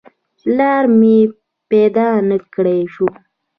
پلار مې پیدا نه کړای شو.